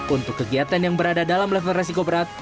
untuk kegiatan yang berada dalam level resiko berat